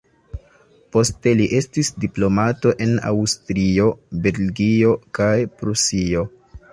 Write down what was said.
Poste li estis diplomato en Aŭstrio, Belgio kaj Prusio.